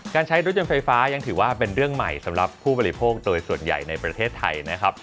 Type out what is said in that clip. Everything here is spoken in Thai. ใช้รถยนต์ไฟฟ้ายังถือว่าเป็นเรื่องใหม่สำหรับผู้บริโภคโดยส่วนใหญ่ในประเทศไทยนะครับ